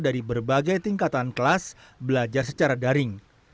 dari berbagai tingkatan kelas belajar secara daring